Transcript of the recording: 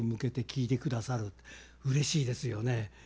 うれしいですよね。